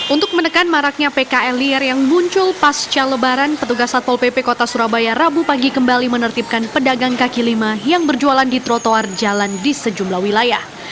untuk menekan maraknya pkl liar yang muncul pasca lebaran petugas satpol pp kota surabaya rabu pagi kembali menertibkan pedagang kaki lima yang berjualan di trotoar jalan di sejumlah wilayah